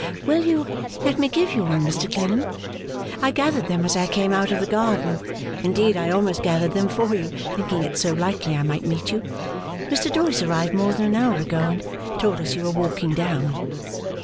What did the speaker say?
'Will you let me give you one, Mr Clennam? I gathered them as I came out of the garden. Indeed, I almost gathered them for you, thinking it so likely I might meet you. Mr Doyce arrived more than an hour ago, and told us you were walking down.